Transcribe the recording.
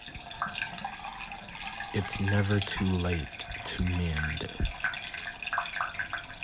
It's never too late to mend